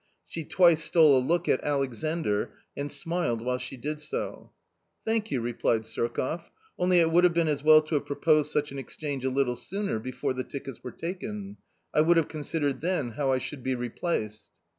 She twice stole a look at Alexandr and smiled while she did so. " Thank you," replied Surkoff, " only it would have been as well to have proposed such an exchange a little sooner, before the tickets were taken ; I would have considered then how I should be replaced."